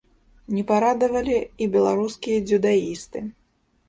Не парадавалі і беларускія дзюдаісты.